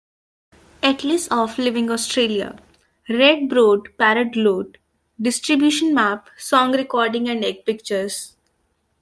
Atlas of Living Australia: Red-browed Pardalote, distribution map, song recording and egg pictures.